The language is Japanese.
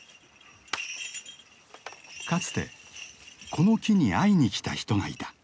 かつてこの木に会いにきた人がいた。